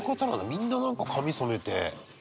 みんな、なんか髪染めて。